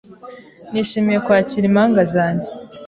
nishimiye kwakira impanga zanjy